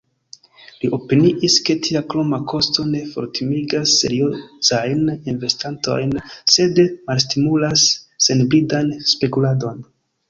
Li opiniis ke tia kroma kosto ne fortimigas seriozajn investantojn, sed malstimulas senbridan spekuladon.